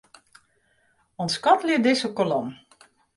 Untskoattelje dizze kolom.